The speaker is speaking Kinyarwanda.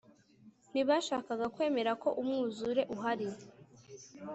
Ntibashakaga kwemera ko umwuzure uhari